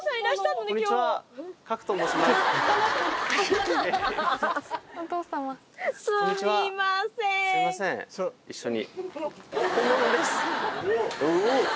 すみません一緒に。